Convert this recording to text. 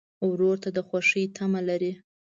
ورور ته د خوښۍ تمه لرې.